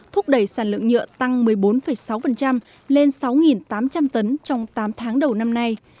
thúc đẩy sản lượng nhựa tăng một mươi bốn sáu lên sáu tám trăm linh tấn trong tám tháng đầu năm nay